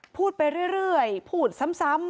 พูดไปเรื่อยพูดซ้ำ